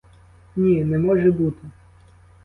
Ні, не може бути!